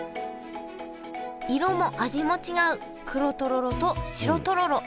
色も味も違う黒とろろと白とろろ。